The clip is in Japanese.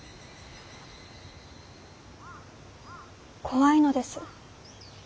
怖いのです。